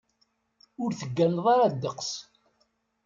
Ur tegganeḍ ara ddeqs.